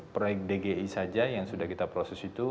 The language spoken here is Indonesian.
proyek dgi saja yang sudah kita proses itu